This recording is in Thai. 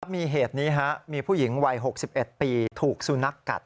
มีเหตุนี้มีผู้หญิงวัย๖๑ปีถูกสุนัขกัด